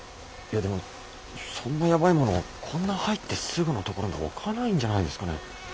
いやでもそんなやばいものをこんな入ってすぐの所に置かないんじゃないですかね？